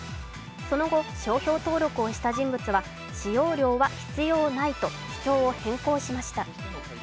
その後、商標登録をした人物は、使用料は必要ないと主張を変更しました。